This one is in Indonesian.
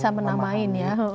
bisa menamain ya